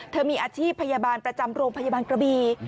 มีอาชีพพยาบาลประจำโรงพยาบาลกระบี